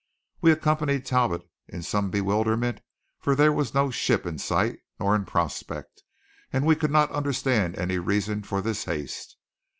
We accompanied Talbot in some bewilderment, for there was no ship in sight nor in prospect, and we could not understand any reason for this haste.